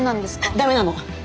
ダメなの！